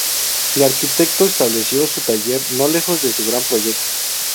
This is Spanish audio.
El arquitecto estableció su taller, no lejos de su gran proyecto.